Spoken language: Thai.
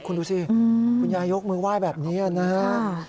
คุณดูสิคุณยายยกมือไหว้แบบนี้นะฮะ